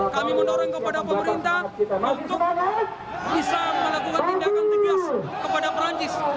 kami mendorong kepada pemerintah untuk bisa melakukan tindakan tegas kepada perancis